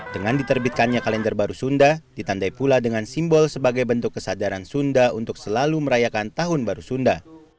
dengan diterbitkannya kalender baru sunda ditandai pula dengan simbol sebagai bentuk kesadaran sunda untuk selalu merayakan tahun baru sunda